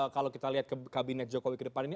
kalau kita lihat ke kabinet jokowi ke depan ini